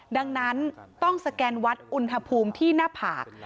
ดังนั้นต้องสแกนวัดอุณหภูมิที่หน้าผาก